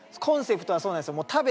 コンセプトはそうなんですよ。